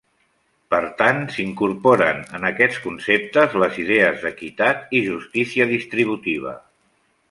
Per tant, s'incorporen, en aquest concepte, les idees d'equitat i justícia distributiva.